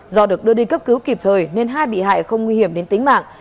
do được đưa đi cấp cứu kịp thời nên hai bị hại không nguy hiểm đến tính mạng